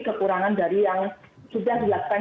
kekurangan dari yang sudah dilakukan